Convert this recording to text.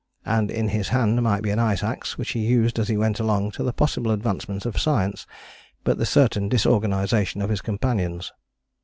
And in his hand might be an ice axe which he used as he went along to the possible advancement of science, but the certain disorganization of his companions.